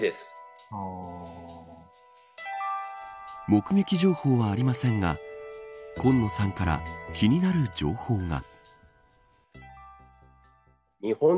目撃情報はありませんが今野さんから気になる情報が。